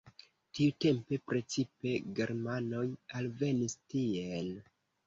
Tiutempe precipe germanoj alvenis tien.